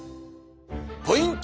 ポイント